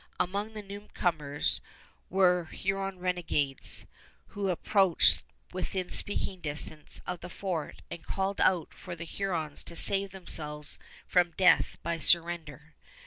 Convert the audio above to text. Among the newcomers were Huron renegades, who approached within speaking distance of the fort and called out for the Hurons to save themselves from death by surrender.